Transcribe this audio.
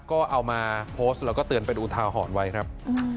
ก็เอามาโพสต์แล้วก็เตือนไปดูทาหรณ์ไว้ครับ